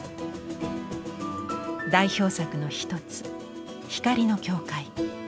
代表作の一つ「光の教会」。